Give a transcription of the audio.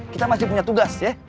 kita masih punya tugas ya